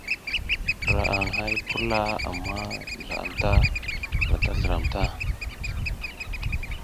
Ndra aƞ hay purla amma ndra anta zliram ta.